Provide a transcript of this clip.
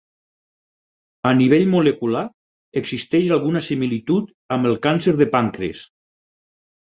A nivell molecular existeix alguna similitud amb el càncer de pàncrees.